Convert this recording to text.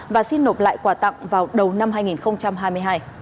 và xin nộp lại quà tặng vào đầu năm hai nghìn hai mươi hai